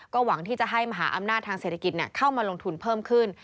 หวังที่จะให้มหาอำนาจทางเศรษฐกิจเข้ามาลงทุนเพิ่มขึ้น